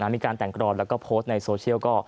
มีการแต่งกรอนแล้วก็โพสต์ในโซเชียล